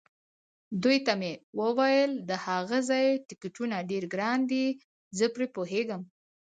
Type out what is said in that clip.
دوی ته مې وویل: د هغه ځای ټکټونه ډېر ګران دي، زه پرې پوهېږم.